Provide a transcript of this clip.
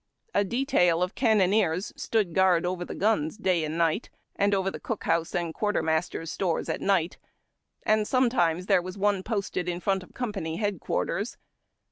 A detail of cannoneers stood guard over the guns night and day, and over the cook house and quarter master's stores at night, and sometimes there was one posted in front of company headquarters.